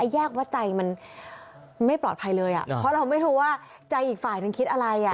แยกว่าใจมันไม่ปลอดภัยเลยอ่ะเพราะเราไม่รู้ว่าใจอีกฝ่ายนึงคิดอะไรอ่ะ